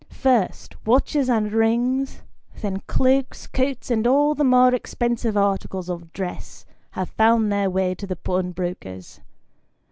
First, watches and rings, then cloaks, coats, and all the more expensive articles of dress, have found their way to the pawnbroker's.